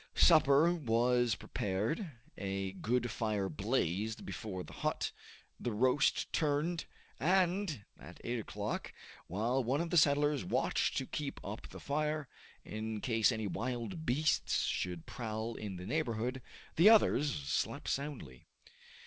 Supper was prepared, a good fire blazed before the hut, the roast turned, and at eight o'clock, while one of the settlers watched to keep up the fire, in case any wild beasts should prowl in the neighborhood, the others slept soundly.